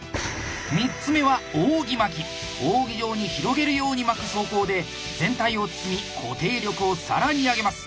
３つ目は扇状に広げるように巻く走行で全体を包み固定力を更に上げます。